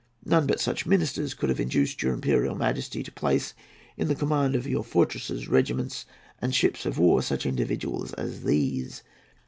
None but such ministers could have induced your Imperial Majesty to place in the command of your fortresses, regiments, and ships of war such individuals as these.